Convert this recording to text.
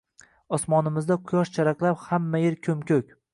Osmonimizda quyosh charaqlab, hamma yer ko’m-ko’k.